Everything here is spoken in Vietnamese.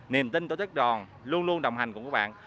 niềm tin tổ chức đoàn luôn luôn đồng hành cùng các bạn